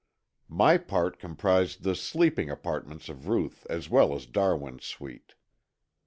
My part comprised the sleeping apartments of Ruth as well as Darwin's suite.